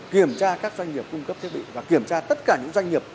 kiểm tra các doanh nghiệp cung cấp thiết bị và kiểm tra tất cả những doanh nghiệp